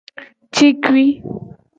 Cikui.